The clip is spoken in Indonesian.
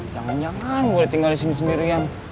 jangan jangan gue tinggal disini sendirian